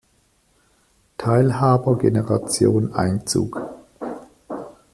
Teilhaber-Generation Einzug.